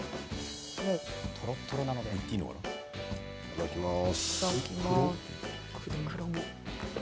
いただきます。